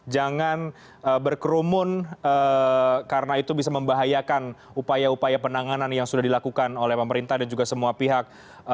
jangan berkerumun karena itu bisa membahayakan upaya upaya penanganan yang sudah dilakukan oleh pemerintah dan juga semua pihak